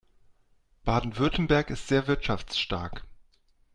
Baden-Württemberg ist sehr wirtschaftsstark.